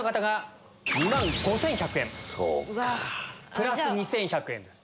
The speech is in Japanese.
プラス２１００円です。